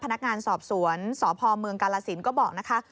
พนักงานสอบสวนสพเมืองกาลสินก็บอกนะคะ